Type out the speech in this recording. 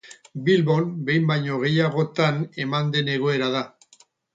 Bilbon behin baino gehiagotan eman den egoera da.